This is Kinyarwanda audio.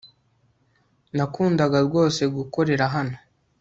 nakundaga rwose gukorera hano